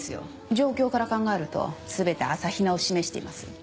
状況から考えるとすべて朝比奈を示しています。